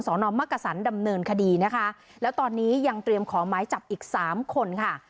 นอมมักกษันดำเนินคดีนะคะแล้วตอนนี้ยังเตรียมขอไม้จับอีกสามคนค่ะ